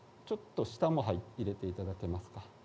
ちょっと下も入れていただけますか。